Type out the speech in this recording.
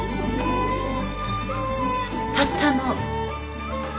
たったの？